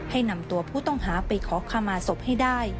ให้นำตัวผู้ต้องหาไปขอขมาศพให้ได้